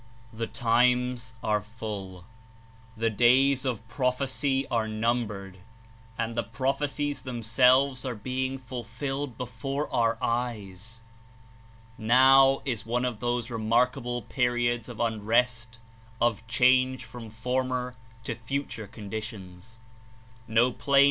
The times are full; the days of prophecy are num bered and the prophecies themselves are being ful filled before our eyes. Now is one of those remark able periods of unrest, of change from Coming of former to future conditions. No plane the New